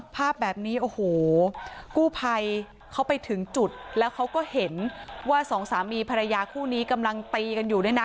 ภาพแบบนี้โอ้โหกู้ภัยเขาไปถึงจุดแล้วเขาก็เห็นว่าสองสามีภรรยาคู่นี้กำลังตีกันอยู่ด้วยนะ